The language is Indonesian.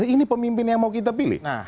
ini pemimpin yang mau kita pilih